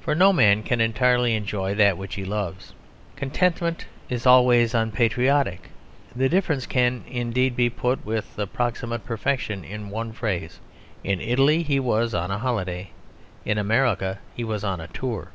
For no man can entirely enjoy that which he loves; contentment is always unpatriotic. The difference can indeed be put with approximate perfection in one phrase. In Italy he was on a holiday; in America he was on a tour.